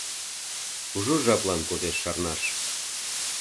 Кужу жаплан кодеш шарнаш.